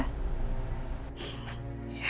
kamu masih bisa cek suara